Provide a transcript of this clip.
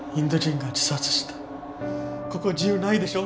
ここ自由ないでしょ？